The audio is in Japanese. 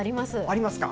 ありますか。